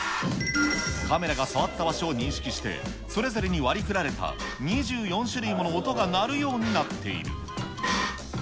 カメラが触った場所を認識して、それぞれに割りふられた２４種類もの音が鳴るようになっている。